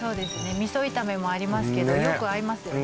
味噌炒めもありますけどよく合いますよね